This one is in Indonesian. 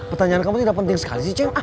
pertanyaan kamu tidak penting sekali cem